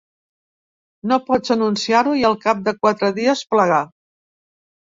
No pots anunciar-ho i al cap de quatre dies, plegar.